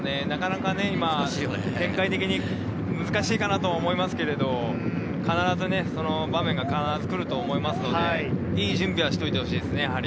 なかなか今、展開的に難しいかなと思いますけれど、必ず場面が来ると思いますので、いい準備はしといてほしいですね。